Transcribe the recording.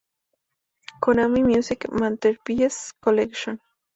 Konami Music Masterpiece Collection